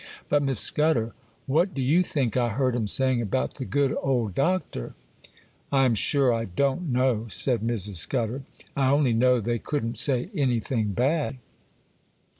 But, Miss Scudder, what do you think I heard 'em saying about the good old doctor?' 'I am sure I don't know,' said Mrs. Scudder; 'I only know they couldn't say anything bad.